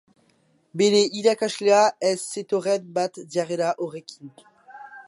Bere irakaslea ez zetorren bat jarrera horrekin.